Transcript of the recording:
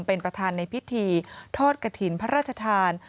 เป็นประธานในพิธีทอดกระถิ่นพระราชทาน